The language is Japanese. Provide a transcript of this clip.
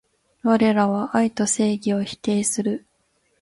われらは愛と正義を否定する